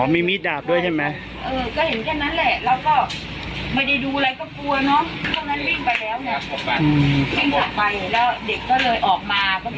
มีมีดดาบด้วยใช่ไหม